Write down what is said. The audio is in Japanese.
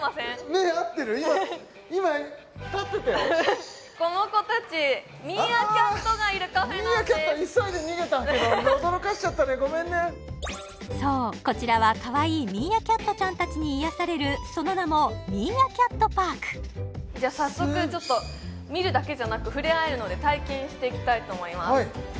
目合ってる今今立ってたよこのコたちミーアキャット急いで逃げたけど驚かせちゃったねごめんねそうこちらは可愛いミーアキャットちゃんたちに癒されるその名もじゃ早速ちょっと見るだけじゃなく触れ合えるので体験していきたいと思います